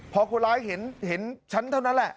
พอคนร้ายเห็นฉันเท่านั้นแหละ